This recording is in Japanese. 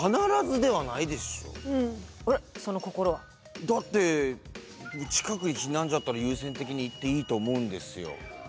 その心は？だって近くに避難所あったら優先的に行っていいと思うんですよ。